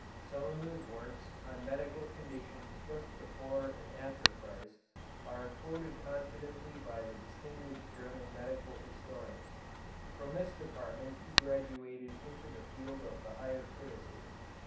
Some of his works on medical conditions just before and after Christ are quoted confidently by the distinguished German medical historians. From this department he graduated into the field of the higher criticism.